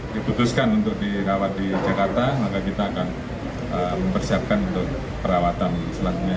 diputuskan untuk dirawat di jakarta maka kita akan mempersiapkan untuk perawatan selanjutnya